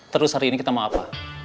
terus hari ini kita mau apa